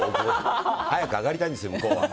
早くあがりたいんです向こうは。